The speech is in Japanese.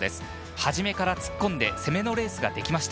初めから突っ込んで攻めのレースができました。